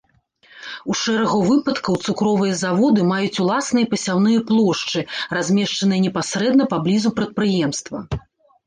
У шэрагу выпадкаў цукровыя заводы маюць уласныя пасяўныя плошчы, размешчаныя непасрэдна паблізу прадпрыемства.